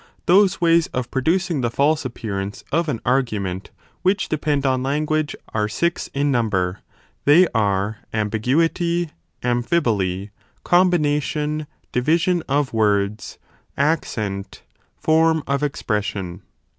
Those ways of producing the false appearance of an 25 argument which depend on language are six in number : they are ambiguity, amphiboly, combination, division of words, accent, form of expression.